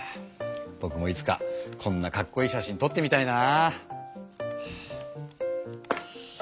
ぼくもいつかこんなかっこいい写真とってみたいな！